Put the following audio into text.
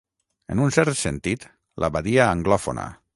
En un cert sentit, la badia anglòfona.